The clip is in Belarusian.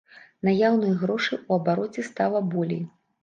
Наяўных грошай у абароце стала болей.